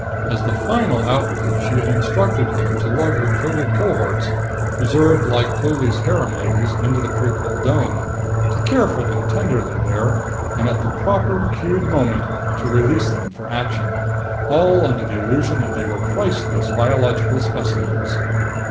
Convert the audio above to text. As the final outrage, she had instructed him to lug her crated cohorts, preserved like Pluly's harem ladies, into the Precol dome to care for them tenderly there and at the proper cued moment to release them for action all under the illusion that they were priceless biological specimens!